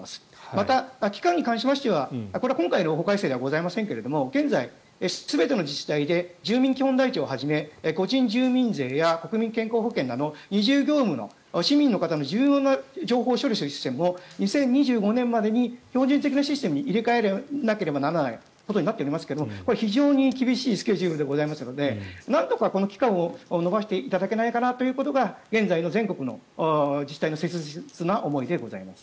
また、期間に関しては今回の法改正ではございませんが現在、全ての自治体で住民基本台帳をはじめ個人住民税や国民健康保険など二重業務市民の方の重要な情報を処理するシステムに２０２５年までに標準的なシステムに入れ替えなければならないことになっていますがこれは非常に厳しいスケジュールになっておりますがなんとかこの期間を延ばしていただけないかなということが現在の全国の自治体の切実な思いでございます。